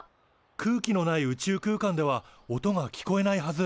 空気のない宇宙空間では音が聞こえないはず。